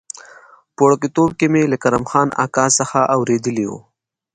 په وړکتوب کې مې له کرم خان اکا څخه اورېدلي و.